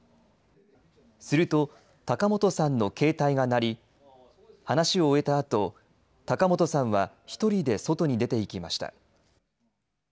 すると高本さんの携帯が鳴り、話を終えたあと、高本さんは１人で外に出ていきました。